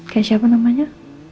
kayak siapa namanya